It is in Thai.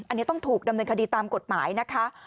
อันนี้ต้องถูกดำเนินคดีตามกฎหมายนะคะ